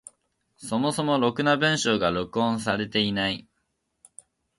そもそもろくな文章が録音されていない。